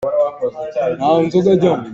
Ka zawt a dam kaa a si i sa ka haw ngai.